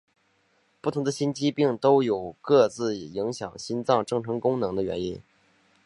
不同的心肌病都有各自影响心脏正常功能的原因。